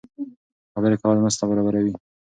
خبرې کول مرسته برابروي.